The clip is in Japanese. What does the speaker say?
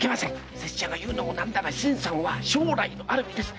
拙者が言うのも何だが新さんは将来のある身です。